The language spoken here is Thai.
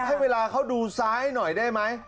ให้เวลาเขาดูซ้ายหน่อยได้ไหม